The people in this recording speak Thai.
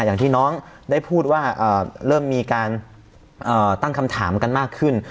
อย่างที่น้องได้พูดว่าเริ่มมีการตั้งคำถามกันมากขึ้น